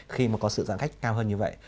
khi mà có sự giãn cách cao hơn như vậy